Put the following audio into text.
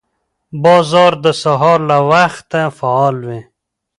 بازار د سهار له وخته فعال وي